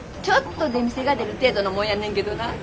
ちょっと出店が出る程度のもんやねんけどな。